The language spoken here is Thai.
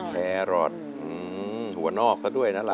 แครอทหัวนอกก็ด้วยนะล่ะ